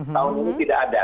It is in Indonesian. tahun ini tidak ada